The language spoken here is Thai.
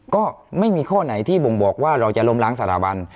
ก็ไม่มีข้อไหนที่บ่งบอกว่าเราจะล้มล้างสถาบัน